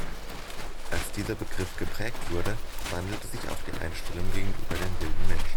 Als dieser Begriff geprägt wurde, wandelte sich auch die Einstellung gegenüber den wilden Menschen.